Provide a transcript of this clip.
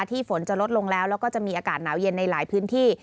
ฝนจะลดลงแล้วแล้วก็จะมีอากาศหนาวเย็นในหลายพื้นที่